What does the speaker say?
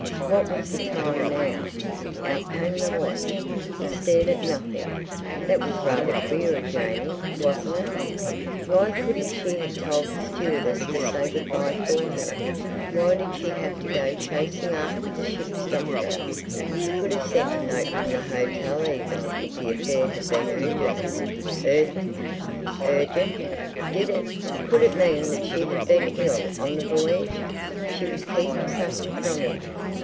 What was the time now? Out came the watch; he stared at nothing. That was rather queer of Janey, wasn't it? Why couldn't she have told the stewardess to say good bye for her? Why did she have to go chasing after the ship's doctor? She could have sent a note from the hotel even if the affair had been urgent. Urgent? Did it—could it mean that she had been ill on the voyage—she was keeping something from him?